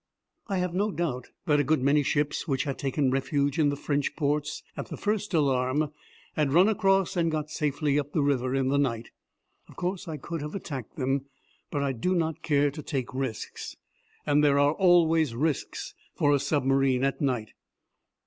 I have no doubt that a good many ships which had taken refuge in the French ports at the first alarm had run across and got safely up the river in the night. Of course I could have attacked them, but I do not care to take risks and there are always risks for a submarine at night.